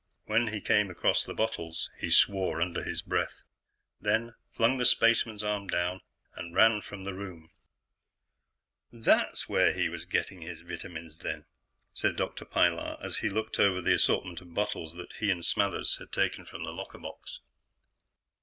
When he came across the bottles, he swore under his breath, then flung the spaceman's arm down and ran from the room. "That's where he was getting his vitamins, then," said Dr. Pilar as he looked over the assortment of bottles that he and Smathers had taken from the locker box.